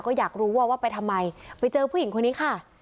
ก็อยากรู้ว่าว่าไปทำไมไปเจอผู้หญิงคนนี้ค่ะ